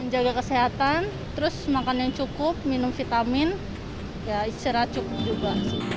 jaga kesehatan terus makan yang cukup minum vitamin ya istirahat cukup juga